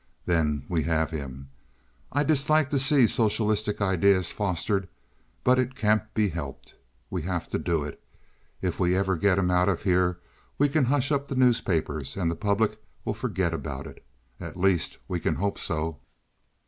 Then we have him. I dislike to see socialistic ideas fostered, but it can't be helped. We have to do it. If we ever get him out of here we can hush up the newspapers, and the public will forget about it; at least we can hope so."